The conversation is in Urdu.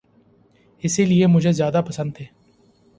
اسی لیے مجھے زیادہ پسند تھے۔